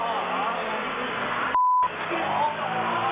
หรือ